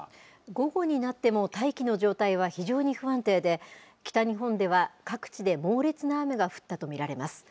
午後になっても大気の状態は非常に不安定で、北日本では各地で猛烈な雨が降ったと見られます。